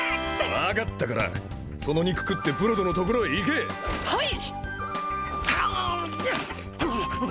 分かったからその肉食ってブロドのところへ行けはい！